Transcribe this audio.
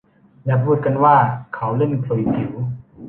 และพูดกันว่าเขาเล่นขลุ่ยผิว